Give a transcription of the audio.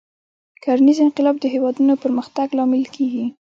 کرنیز انقلاب د هېوادونو پرمختګ لامل کېږي.